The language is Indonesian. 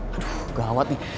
aduh gawat nih